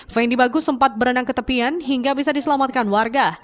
fendi bagus sempat berenang ke tepian hingga bisa diselamatkan warga